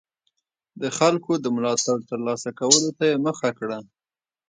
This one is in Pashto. د خلکو د ملاتړ ترلاسه کولو ته یې مخه کړه.